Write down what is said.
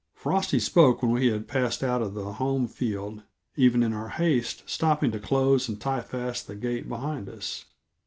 Frosty spoke when we had passed out of the home field, even in our haste stopping to close and tie fast the gate behind us.